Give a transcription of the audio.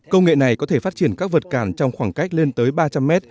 công nghệ này có thể phát triển các vật cản trong khoảng cách lên tới ba trăm linh mét